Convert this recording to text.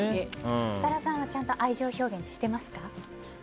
設楽さんはちゃんと愛情表現してますか？